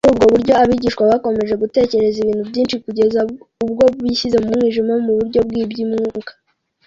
muri ubwo buryo abigishwa bakomeje gutekereza ibintu byinshi kugeza ubwo bishyize mu mwijima mu buryo bw’iby’umwuka